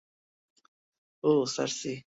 ওহ, সার্সি।